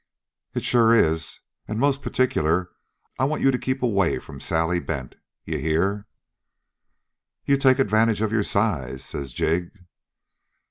"'It sure is. And most particular I want you to keep away from Sally Bent. You hear?' "'You take advantage of your size,' says Jig.